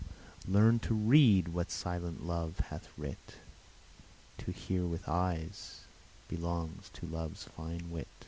learn to read what silent love hath writ: To hear with eyes belongs to love's fin